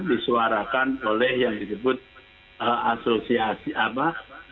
disuarakan oleh yang disebut asosiasi apa